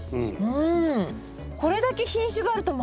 うん。